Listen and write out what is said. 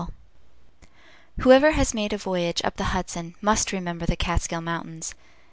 ] WHOEVER has made a voyage up the Hudson must remember the Kaatskill mountains.